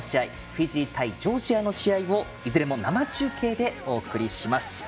フィジー対ジョージアの試合をいずれも生中継でお届けします。